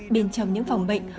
bên trong những phòng bệnh